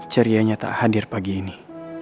cerianya tak hadir pagi ini